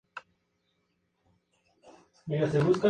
Es la primera vez que Namibia aparecerá en el torneo final.